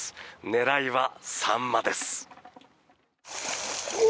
狙いはサンマです。